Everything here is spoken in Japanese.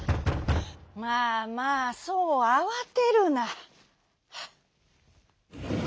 「まあまあそうあわてるな」。